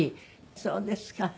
そうですか。